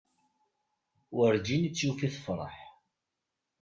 Werǧin i tt-yufi tefreḥ.